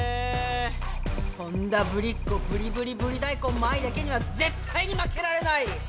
本田ブリっ子ブリブリブリ大根麻衣だけには絶対に負けられない！